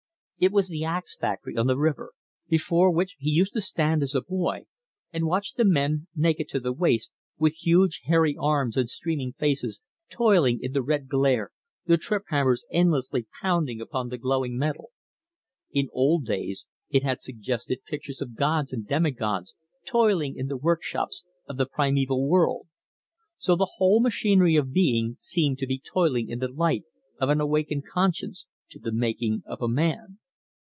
It was the axe factory on the river, before which he used to stand as a boy, and watch the men naked to the waist, with huge hairy arms and streaming faces, toiling in the red glare, the trip hammers endlessly pounding upon the glowing metal. In old days it had suggested pictures of gods and demi gods toiling in the workshops of the primeval world. So the whole machinery of being seemed to be toiling in the light of an awakened conscience, to the making of a man.